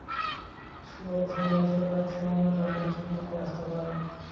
সবাই ধেয়ে আসা গাড়ির সামনে দিয়ে প্রাণের ঝুঁকি নিয়ে রাস্তা পার হন।